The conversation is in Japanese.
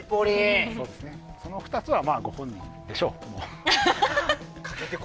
その２つはご本人でしょう。